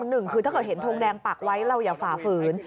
หนึ่งคือถ้าเกิดเห็นทงแดงปักไว้เราอย่าฝ่าฝืน